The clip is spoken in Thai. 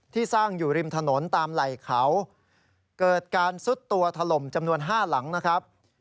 ที่สร้างอยู่ริมถนนตามไหล่เขาเกิดการซุดตัวถล่มจำนวน๕หลังนะครับ